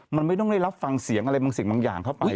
มันไม่ต้องได้รับฟังเสียงอะไรบางสิ่งบางอย่างเข้าไป